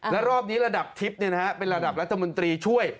แล้วรอบนี้ระดับทิพย์เป็นระดับรัฐมนตรีช่วย